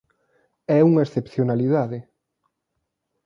É unha excepcionalidade.